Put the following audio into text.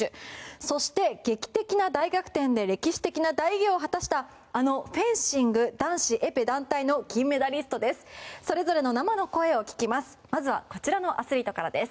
そして、劇的な大逆転で歴史的な大偉業を果たしたあのフェンシング男子エペ団体の金メダリストです。